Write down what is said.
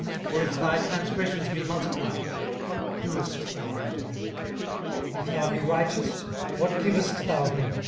or if thy transgressions be multiplied, what doest thou unto him? 18:035:007 If thou be righteous, what givest thou him?